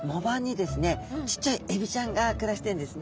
ちっちゃいエビちゃんが暮らしてんですね。